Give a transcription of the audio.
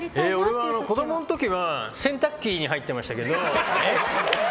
俺は子供の時は洗濯機に入ってましたけど。